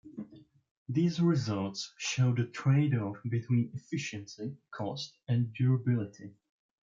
These results show the trade-off between efficiency, cost, and durability.